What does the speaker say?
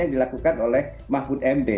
yang dilakukan oleh mahfud md